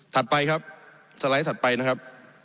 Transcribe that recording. ไปครับสไลด์ถัดไปนะครับ